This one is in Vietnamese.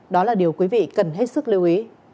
đó là điều quý vị cần hết sức lưu ý